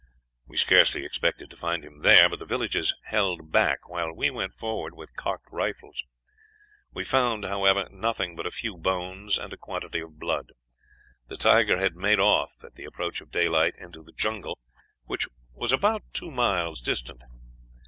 "We scarcely expected to find him there, but the villagers held back, while we went forward with cocked rifles. We found, however, nothing but a few bones and a quantity of blood. The tiger had made off at the approach of daylight into the jungle, which was about two miles distant.